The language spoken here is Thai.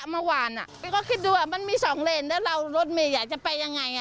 เพราะคิดดูมันมี๒เรนแล้วเรารถเมล์อยากจะไปยังไง